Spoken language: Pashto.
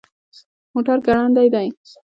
موټر ګړندی دی